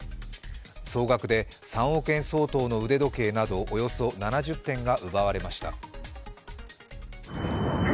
総額で３億円相当の腕時計などおよそ７０点が奪われました。